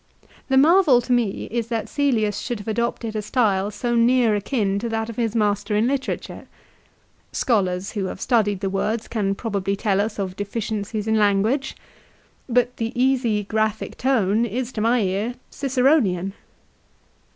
The marvel to me is that Cselius should have adopted a style so near akin to that of his master in literature. Scholars who have studied the words can probably tell us of deficiencies in language. But the easy graphic tone is to my ear Ciceronian.